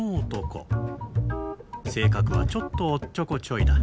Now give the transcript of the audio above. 性格はちょっとおっちょこちょいだ。